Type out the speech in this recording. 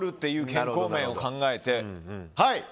健康面を考えて。